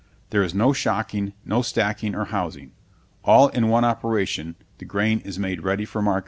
There is no shocking, no stacking or housing: all in one operation, the grain is made ready for market.